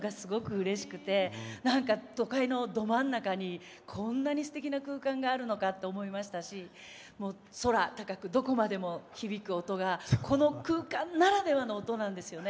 なんか都会のど真ん中にこんなにすてきな空間があるのかと思いましたし空高くどこまでも響く音がこの空間ならではの音なんですよね。